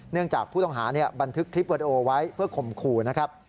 เนื่องจากผู้ต้องหาเนี่ยบันทึกคลิปเวิร์ดโอไว้เพื่อข่มขู่นะครับ